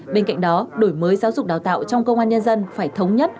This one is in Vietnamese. bên cạnh đó đổi mới giáo dục đào tạo trong công an nhân dân phải thống nhất